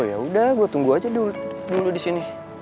yaudah gue tunggu aja dulu disini